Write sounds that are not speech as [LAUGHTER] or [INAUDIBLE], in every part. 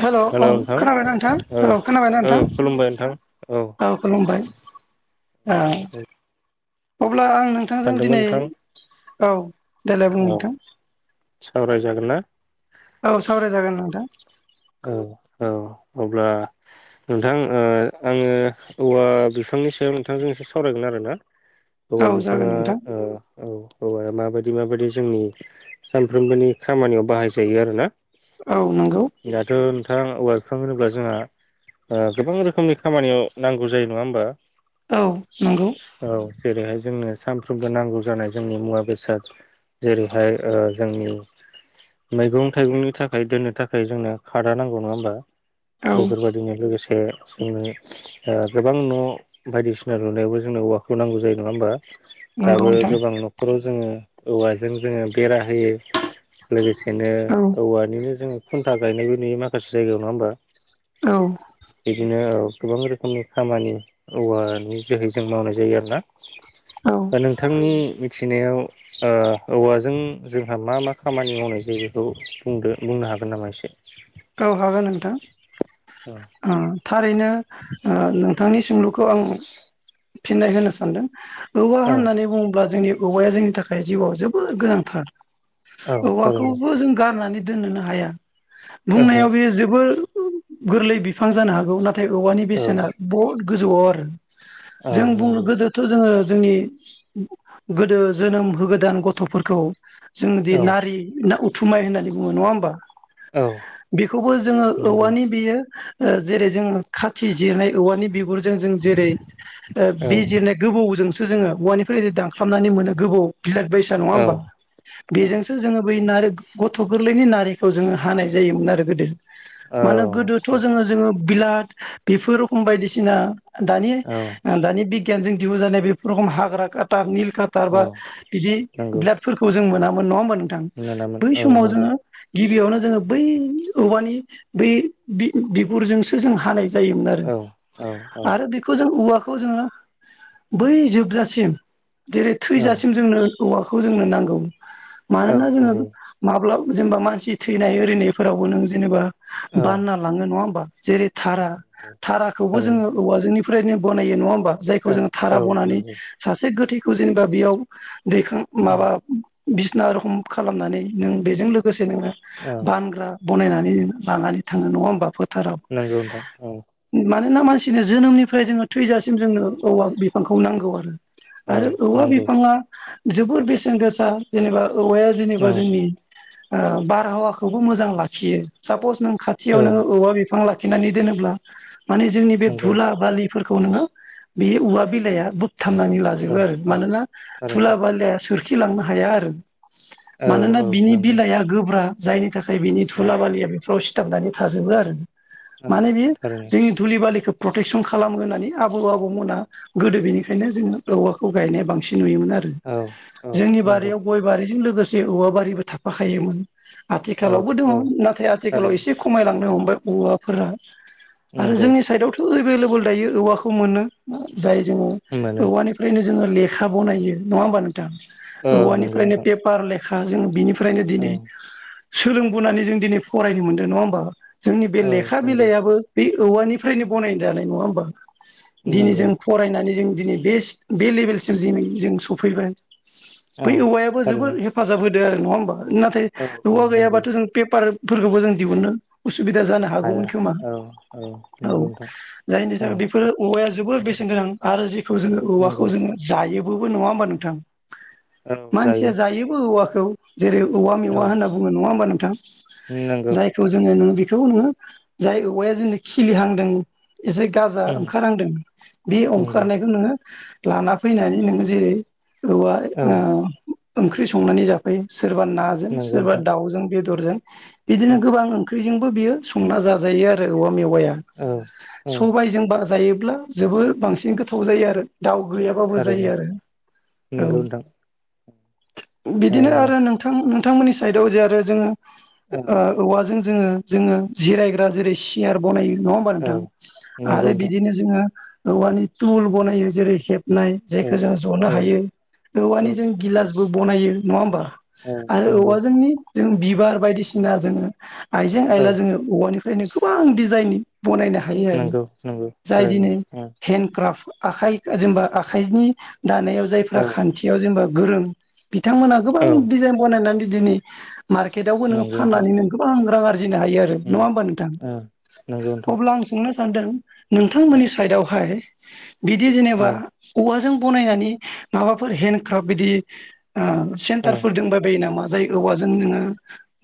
Hello hello औ नोंथां खोनाबाय नोंथां औ खोनाबाय औ नोंथां? खुलुमबाय नोंथां औ खुलुमबाय औ अब्ला आं नोंथांजों सानदोंमोन दिनै नोंथां औ देलाय बुं औ नोंथां सावरायजागोन ना? औ सावरायजागोन नोंथां औ औ अब्ला नोंथां आङो औवा बिफांनि सायाव नोंथांजों एसे सावरायगोन आरोना औ औवा जागोन बिफाङा नोंथां ओ औ औवाया माबायदि माबायदि जोंनि सानफ्रोमबोनि खामानियाव बाहायजायो आरो ना औ नंगौ दाथ' बिफां औवा बिफां होनोब्ला जोंहा ओ गोबां रोखोमनि खामानियाव नांगौ जायो नङा होमबा औ नंगौ । औ जेरैहाय जोंनो सानफ्रोमबो नांगौ जानाय जोंनि मुवा बेसाद जेरैहाय जोंनि मैगं थाइगंनि थाखाय दोननो थाखा जोंनो खादा नांगौ नङा होमबा? औ बेफोरबायदिनो लोगोसे जोंनो गोबां न' बायदिसिना लुनायावबो जोंनो औवाखौ नांगौ जायो नङा होमबा? नंगौ दाबो नोंथां गोबां न'खराव जोङो औवाजों जोंङो बेरा होयो लोगोसेनो औ औवानिनो जोङो खुन्था गायनायबो नुयो माखासे जायगायाव नङा होमबा? औ बिदिनो औ गोबां रोखोमनि खामानि औवानि जोहै जों मावनाय जायो आरोना औ । दा नोंथांनि थिनायाव ओ औवाजों जोंहा मा मा खामानि मावनाय जायो बेखौ बुंदों बुंनो हागो गोन नामा एसे औ हागोन नोंथां ओ थारैनो ओ नोंथांनि सोंलु खो आं फिननाय होनो सानदों । औवा औ औ होननानै बुङोब्ला जोंनि औवाया जोंनि थाखाय जिउआव जोबोद गोनांथार औ । थारैनो औवाखौबो जों गारनानै दोननोनो हाया ओहो बुंनायाव बेयो जोबोर गोरलै बिफां जानो हागौ नाथ औवानि औ बेसेना बहु गोजौआव आरो । औ जों बुंनो नंगौ गोदोथ' जोङो जोंनि गोदो जोनोम होगोदान गथ'फोरखौ जोंदि औ नारि ना थुमाय होननानै बुङो नङा होमबा? औ बेखौबो जोङो नंगौ औवानि बेयो ओ जेरै जोङो खाथि जिरनाय औवानि बिगुरजों जों जेरै ओ औ बे जिरनाय गोबौजों जोङो औवानिफ्रायनो दानख्लाबनानै मोनो गोबौ बिराद बायसा नङा औ होमबा बेजोंसो जोङो बै नारि गथ' गोरलैनि नार खौ जोङो हानाय जायोमोन आरो गोदो । औ मानो गोदोथ' जोङो जोङो बिलात बेफोर रखम बायदिसिना दानि औ दानि बि गियानजों दिहुन जानाय बे हाग्रा काटार निल औ [UNINTELLIGIBLE] बिदि नंगौ [UNINTELLIGIBLE] जों मोना [UNINTELLIGIBLE] नोंथां मोनामोन बै औ समाव नंगौ जोङो गिबियावनो बै औवानि बै बिगुरजोंसो जों हानाय जायोमोन आरो औ औ औ आरो बेखौ जों औवा खौ जोङो बै जोबजासिम जेरै औ थैजासिम जोंनो औवाखौ जोंनो नांगौ। औ मानोना जोङो नंगौ माब्लाबा जेनेबा मानसि थैनाय ओरिनायफोरावबो नों जेनेबा औ बानना लाङो नङा होमबा जेरै धारहा धारहाखौबो थारैनो जोङो औवाजोंनि फ्रायनो बनायो नङा होन बा जायखौ औ जोङो धारहा औ बनानै नंगौ सासे गोथैखौ जेनेबा बेयाव दैखां उम माबा बिसिना रखम खालामनानै नों बेजों लोगोसे नोङो औ बानग्रा बनायनानै लानानै थाङो नङा होनबा फो थाराव नंगौ नोंथां औ मानो मानोना मानसिनो जोनोमनिफ्राय जोङो थैजासिम जोंनो औवा बिफांखौ नांगौ आरो । औ आरो औवा नंगौ बिफाङा जोबोर बेसेन गोसा जेनेबा औवाया औ जेनेबा जोंनि ओ बा रहावाखौबो मोजां लाखियो सापस नों औ खाथियावनो औवा बि बिफां लाखिनानै दोनोब्ला माने जोंनि बे नंगौ धुला बालिफोरखौ नोङो बे औवा बिलाया थामनानै लाजोबो औ आरो औ मानोना थुला थारैनो बालियाया सोर खिलांनो हाया आरो। औ मानोना औ बिनि नंगौ बिलाइआ गोब्रा जायनि थाखाय बिनि उम थुला बालिया बे ससिथाबनानै थाजोबो आरो औ माने बियो थारैनो जोंनि धुलि बालिखौ प्रटेकसन खालाम खालामगोन होननानै आबौ आबौमोना गोदो बेनि बेओंखायनो जोंङो औवाखौ गायनाया बांसिन नुयोमोन आरो औ औ जोंनि नंगौ बारियाव गय बारिजों लोगोसे जे औवा बारिबो थाफाखायोमोन। औ आथिखालावबो दङ औ नाथाय आथिखालाव थारैनो एसे खमायलांनो हम औवाफोरा आरो नंगौ जोंनि साइडआवथ' एभेएभल दायो औवा खौ मोनो। जाय जोंङो मोनो औवानिफ्रायनो जोंङो लेखा बनायो नङा होमबा औ नंगौ औवानिफ्रायनो नोंथां पेपार ले का जों बिनि फ्रायनो औ दिनै सोलोंबोनानै जों दिनै फरायनो मोनदों नङा होमबा जोंनि बे औ लेखा नंगौ बिलाइआबो बे औवानिफ्रायनो बानाय जानाय नङा होमबा दिनै नंगौ जों फरायनानै जों दिनै बेस्ट बे लेभेलसिम जे जों स फैबाय औ बै औवायाबो जोबोद थारैनो हेफाजाब होदों। जागोन नङा होनबा नाथाय औ औ औवा नंगौ गैयाबाथ' जों पेपार फोरखौबो जों दिहुननो सुबिदा जानो हाया हागौमोन खोमा औ औ नंगौ नोंथां जायनि औ थाखाय बेफोर औवाया जोबोर बेसेन गोनां आरो जि खौ जोङो नंगौ औवाखौ जोङो जायो बोबो नङा होमबा नोंथां? औ मानसिया जायो जायोबो औवा खौ जेरै औ मेवा होनना बुंयो नङा होनबा नों नंगौ जायखौ जोङो बेखौ होनो जाय औवाया जोंनो खिलिहांदों एसे गाजा उम ओंखारनांदों बे नंगौ ओंखारनायखौ नो लाना फैनानै नोङो जेरै औवा औ आ ओंख्रि संनानै जाफै सोरबा ना जों नंगौ सोरबा नोंथां दाउजों बे दरजों बिदिनो उम गोबां ओंख्रिजों बियो संना जाजायो आरो औवा मेवाइआ औ औ सबायजों बा जायोब्ला जोबोर बांसिन गोथाव थाव जायो आरो दाउ गैयाबाबो थारैनो जायो आरो नंगौ औ नोंथां ओ बिदिनो आरो नोंथां बिथांमोननि साइडआव जे आरो जोङो औ ओ औवाजों जोङो जोङो जिरायग्रा जेरै सियार बनायो नङा होमबा औ नोंथां नंगौ आरो नोंथां बिदिनो जोङो औवानि तुल बनायो जेरै हेब नाय औ जायखौ जोङो जनो औ हायो औवानि औ जों गिलासबो बनायो नङा ओमबा औ नंगौ औवा जोंनि जों बिबार बायदिसिना जोङो आइजें औ आइला जोङो औवानिफ्रायनो गोबां दिडिजाइननि बनायनो हायो आरो नंगौ नंगौ जाय थारैनो दिनै औ हेन्दक्राफ्ट आखाइ जेनेबा आखाइनि दानायाव जायफ्रा खान्थियाव जेनेबा गोरों बिथांमोना गोबां औ दिडिजाइन थान दिदिनै मार्केटआवबो नोङो नंगौ नोंथां फाननानै नों गोबां रां आरजि जिनो हायो आरो उम नङा होनबा ओ नंगौ नोंथां नोंथां अब्ला आं सोंनो मा होनदों? औ नोंथांमोननि साइडआवहाय बिदि औ जेनेबा औवाजों बनायनानि माबाफोर हेन्दडक्राफ्ट बिदि ओ औ सेन्टारफोर दोंबा रो नामा जाय औवाजों जोङो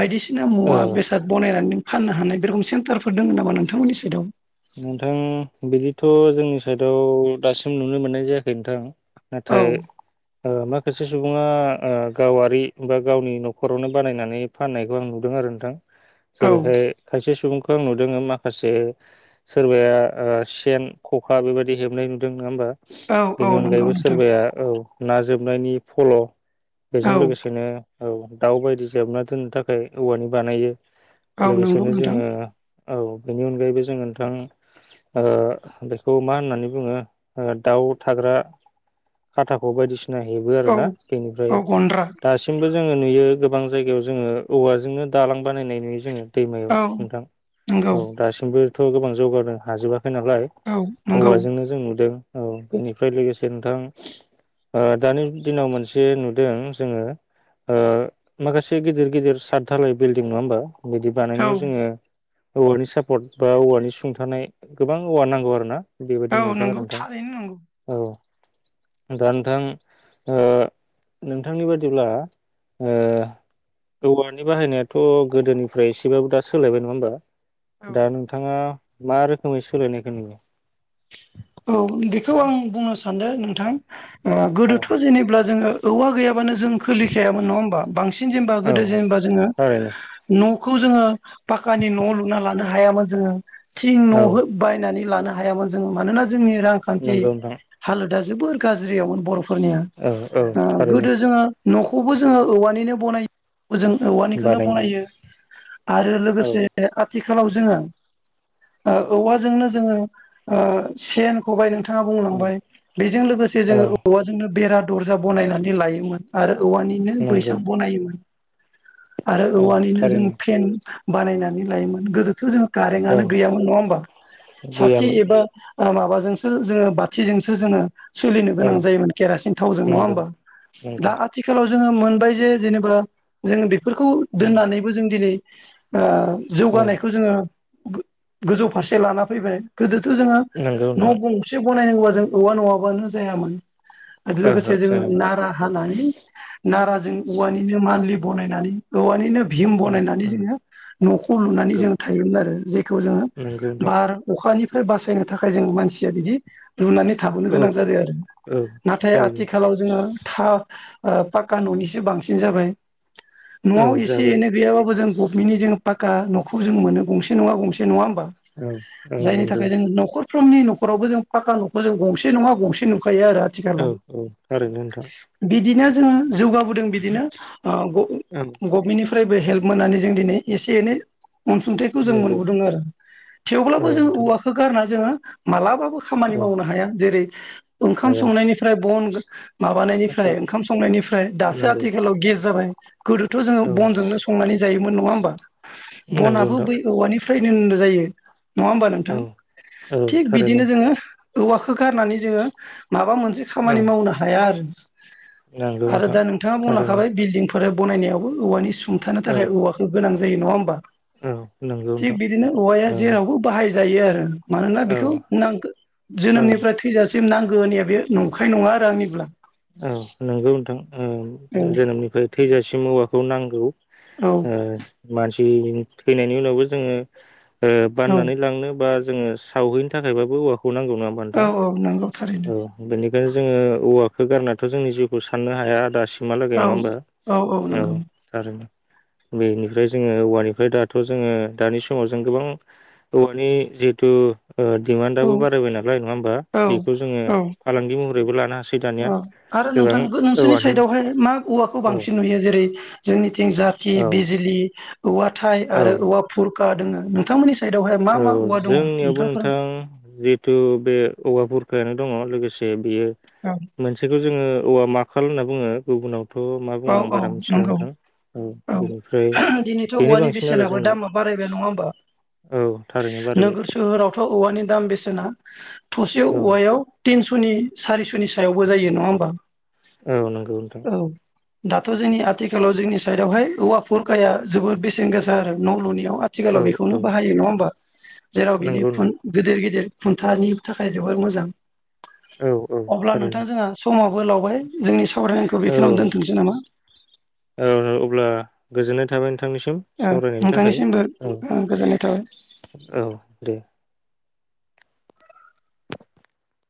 बायदिसिना ओ मुवा बेसाद बनायनानै फाननो हानाय बे रखम सेन्टारफोर दङ नामा नोंथांमोननि साइडआव? नोंथां बिदि थ' जोंनि साइडआव दासिम नुनो मोननाय जायाखै नोंथां। औ नाथाय ओ माखासे सुबुङा ओ गावारि बा गावनि न'खरावनो बानायनानै फाननायखौ आं नुदों आरो नोंथां। औ जेरैहाय खायसे सुबुं खौ आं नुदोङो माखासे सोरबाया ओ सेन, खखा बेबायदि हेबनाय नुदों नङा होमबा? औ औ बेनि नंगौ अनगायैबो नोंथां सोरबाया औ ना जोबनायनि फल' औ बेजों लोगोसेनो औ दाउ बायदि जोबना दोननो थाखाय औवानि बानायो। औ नोंगौ लोगोसेनो नोंथां। जोङो औ बेनि अनगायैबो जोङो नोंथां ओ बेखौ मा होननानै बुङो ओ दाउ थाग्रा खाथाख' बायदिसिना हेबो औ आरोना बेनिफ्राय औ गन्द्रा दासिमबो जोङो नुयो गोबां जायगायाव जोङो औवाजोंनो दालां बानायनाय नुयो जोङो। दैमायाव औ नोंथां नंगौ औ दासिमबो थ' गोबां जौगानो हाजोबा खैनालाय औ नंगौ औवाजोंनो जों नुदों। औ बेनिफ्राय लोगोसे नोंथां ओ दानि दिनाव मोनसे नुदों जोङो ओ माखासे गेदेर गेदेर सातधालाय बिल्डिं नङा होमबा? बिदि औ बानायनायाव जोङो औ औवानि सापर्ट बा औवानि सुंथानाय गोबां औवा नांगौ आरो ना। बेबायदि नुदों आरो नंगौ नोंथां थारैनो नंगौ । औ दा नोंथां ओ नोंथांनि बादिब्ला ओ औवानि बाहायनायाथ' गोदोनिफ्राय एसेबाबो दा सोलायबाय नङा होमबा? औ दा नों मा रोखोमै सोलायनायखौ नुयो? औ बेखौ आं बुंनो सान्दों नोंथां। ओ औ गोदोथ' जेनेब्ला जोङो औवा गैयाब बानो जों खोलिखायामोन नङा होनबा बांसिन जेनबा औ गोदो जेनबा जोंङो थारैनो न' खौ जोङो पक्कानि न' लुना लानो हायामोन जोङो। थिं औ न' हो बायनानै लानो हायामोन जों मानोना जोंनि रांखान्थि नंगौ नोंथां हालोदा जोबोर गाज्रियावमोन‌ बर'फ फोरनिया औ औ ओ थारैनो गोदो जोङो न'खौबो जोङो औवानिनो बनायो- जों औवानिखौनो बानायो बनायो। आरो औ लोगोसे आथिखालाव जोङो ओ औवाजोंनो जोङो ओ सेन खबाय बिथाङा औ बुंलांबाय बेजों लोगोसे औ जोङो औवाजोंनो बेरा दुं - दरजा बनायनायनानै लायोमोन आरो औवानिनो नंगौ बैसां बनायोमोन। आरो औ औवानिनो जों थारैनो फेन बानायनानै लायोमोन गोदोथ' जोंङो औ कारेंआनो गैयामोन नङा होमबा साथि गैयामोन एबा माबाजोंसो जोङो बाथिजोंसो जोङो सोलिनो औ गोनां जायोमोन केरासिन थावजों नङा नंगौ होमबा । दा नंगौ आथिखालाव जोंङो मोनबाय जे जेनेबा जों बे - बेफोरखौ दोननानैबो जों दिनै ओ औ जौगानायखौ जोङो [UNINTELLIGIBLE] गोजौ फारसे लाना फैबाय गोदोथ' जों नंगौ नोंथां। बानायनांगौबा जों औवा नङाबानो जायामानो। ओहो लोगोसे जोङो जायामोन नारा हानानै नाराजों जों औवानिनो मानलि बानायनानै औवानिनो भिम उम बानायनानै उम जोङो न'खौ लुनानै नंगौ जों थायोमोन आरो। नंगौ [UNINTELLIGIBLE] नोंथां बार, अखानि [UNINTELLIGIBLE] थाखाय जों मानसिया बिदि लुनानै थाबोनो औ गोनां जादों आरो औ ।नाथाय थारैनो आथिखालाव जोङो [UNINTELLIGIBLE] पाक्का न'निसो बांसिन जाबाय। औ न'आव एसे जाबाय एनै गैयाबाब जों गभमेन्टनि जोङ [UNINTELLIGIBLE] न'खौ जों मोनो गंसे नङा गंसे नङा होमबा? औ- औ जायनि नोंगौ। थाखाय जों नखरफ्रोमनि नखराव जों फाखा न'खौजों गंसे नङा गंसे [UNINTELLIGIBLE] [UNINTELLIGIBLE] औ आथिखालाव औ थारैनो नोंथां बिदिनो [UNINTELLIGIBLE] जौगाबोदों बिदिनोग- औ गभमेन्ट निफ्राय [UNINTELLIGIBLE] हेल्प मोननानै जों दिनै एसे- एनै अनसुंथाइखौ जों नंगौ मोनबोदों आरो औ थेवब्लाबो जों नोंथां औवाखौ जोङो मालाबा [UNINTELLIGIBLE] खामानि औ मावनो हाया जेरै [UNINTELLIGIBLE] ओंखाम हाया संनायनिफ्राय बन औ माबानायनिफ्राय ओंखाम संनायनिफ्राय दासो नंगौ आथिखालाव गेस जाबाय। गोदोथ' जोङो औ बनजोंनो संनानै जायोमोन नङा होमबा नंगौ बनाबो नोंथां बै औवानि [UNINTELLIGIBLE] जायो। नङा होमबा नोंथां। औ औ थिग थारैनो बिदिनो जोङो औवाखौ गारनानै जोङो माबा मोनसे मोनसे औ खामानि मावनो हाया आरो। नंगौ आरो नोंथां दा नोंथाङा थारैनो बुंलांखाबाय बिल्डिं [UNINTELLIGIBLE] बानायनायावबो औवानि [UNINTELLIGIBLE] सुंथानो औ थाखाय औवाखौ गोनां [UNINTELLIGIBLE] जायो नङा होमबा? औ नंगौ थिग नोंथां बिदिनो औवाया ओ जेरावबो बाहाय जायो आरो मानोना औ बेखौ [UNINTELLIGIBLE] औ जोनोमनिफ्राय थैजासिम सिम नांगौ होन्नायाबे नंखाय नङा आरो आंनिब्ला। औ नोंगौ नोंथां। ओ औ जोनोमनिफ्राय थैजासिम औवाखौ नांगौ। औ ओ मानसि थैनायनि उनावबो जोङो औ बाननानै लांनो बा जोङो सावहैनो थाखायबाबो औवा खौ नांगौ नङा बा औ नोंथां औ नंगौ थारैनो औ बेनिखायनो जोङो औवाखौ होगारनायाथ' जोंनि जिउखौ साननो हाया दासिम [UNINTELLIGIBLE] नङा औ होमबा? औ थारैनो बेनिफ्राय जोङो औवानिफ्राय दाथ' जोङो दानि समाव जों गोबां औवानि जिहेथु दिमान्डआबो औ बारायबाय नालाय नङा होमबा औ बेखौ जोङो फालांगि महरै बयबो लानो हासै दानिया अ आरो गोबां नोंथां नोंसोरनि औवानि साइदावहाय मा औवाखौ औ बांसिन नुयो जेरै जोंनिथिं जाथि औ बिजिलि औवाथाय औ आरो औवा फुर [UNINTELLIGIBLE] नोंथां मोननि औ जोंनियावबो नोंथां जिहेथु बे औवा बुर नो दङ लोगोसे बेयो औ मोनसेखौ जोङो औवा माख [UNINTELLIGIBLE] होनना बुङो गुबुनाव। थ' मा बुङो औ आं औ बारा मिथिला नंगौ नोंथां औ बेनिफ्राय दिनैथ' बेनो औवानि बांसिन आरो बेसेनाबो जोंनाव। दामा बारायबाय नङा होमबा औ थारैनो बारायबाय नोगोर सोहोरावथ' औवानि दाम बेसे ना थसे औ औवायाव तिनस'नि सारिस'नि सायावबो जायो नङा होमबा? औ नंगौ नोंथां औ दाथ' जोंनि आथिखालाव जोंनि साइदआवहाय औवा फुरखाया जोबोद बेसेन गोसा आरो न लुनायाव औ आथिखालाव औ बेखौनो बाहायो नंङा होमबा जेराव बिनि नंगौ खुन नोंथां गेदेर गेदेर खुन्थानि थाखाय जोबोर मोजां औ औ अब्ला थारैनो नोंथां जोंहा समाव [UNINTELLIGIBLE] सावरायनायखौ बेखिनिवाव दोन्थ' [UNINTELLIGIBLE] औ अब्ला गोजोननाय थाबाय नोंथां नोंथांनिसिम ओ सावरायनायनि थाखाय नोंथांनिसिमबो ओ गोजोननाय थाबाय औ औ दे